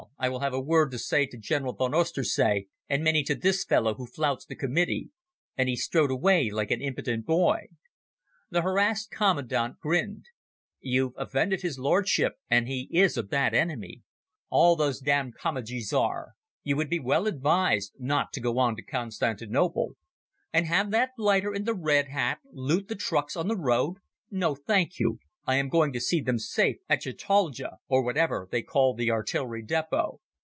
I will have a word to say to General von Oesterzee, and many to this fellow who flouts the Committee." And he strode away like an impudent boy. The harassed commandant grinned. "You've offended his Lordship, and he is a bad enemy. All those damned Comitadjis are. You would be well advised not to go on to Constantinople." "And have that blighter in the red hat loot the trucks on the road? No, thank you. I am going to see them safe at Chataldja, or whatever they call the artillery depot."